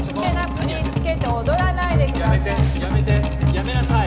やめてやめてやめなさい。